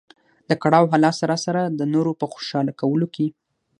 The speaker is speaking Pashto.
د کړاو حالت سره سره د نورو په خوشاله کولو کې.